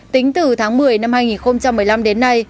tính từ tháng một mươi năm hai nghìn một mươi năm đến nay